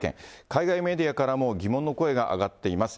海外メディアからも疑問の声が上がっています。